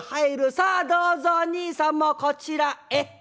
『さあどうぞおにいさんもこちらへ』。